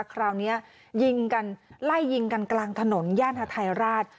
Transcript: คราวนี้ยิงกันไล่ยิงกันกลางถนนย่านฮาทายราช